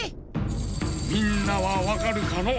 ⁉みんなはわかるかのう？